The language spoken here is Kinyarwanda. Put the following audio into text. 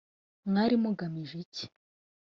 mwari mugamije iki?”